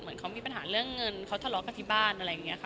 เหมือนเขามีปัญหาเรื่องเงินเขาทะเลาะกันที่บ้านอะไรอย่างนี้ค่ะ